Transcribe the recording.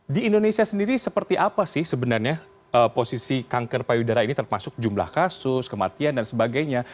di indonesia sendiri seperti apa sih sebenarnya posisi kanker payudara ini termasuk jumlah kasus kematian dan sebagainya